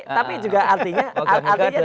tapi artinya juga